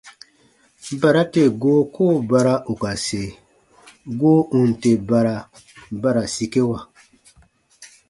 Bara tè goo koo bara ù ka se, goo ù n tè bara, ba ra sikewa.